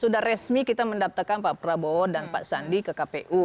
sudah resmi kita mendaftarkan pak prabowo dan pak sandi ke kpu